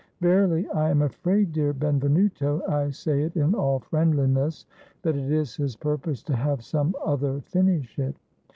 Verily, I am afraid, dear Benvenuto, I say it in all friendliness, that it is his purpose to have some other finish it."